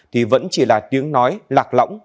thì vẫn chỉ là tiếng nói lạc lõng